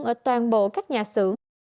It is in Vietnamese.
ở toàn bộ các nhà xưởng